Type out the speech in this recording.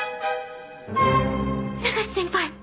永瀬先輩